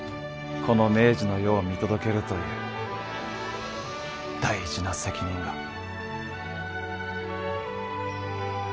この明治の世を見届けるという大事な責任が。